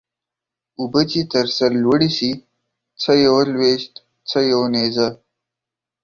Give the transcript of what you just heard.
اوبه چې تر سر لوړي سي څه يوه لويشت څه يو نيزه.